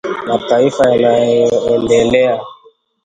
mataifa yanayoendelea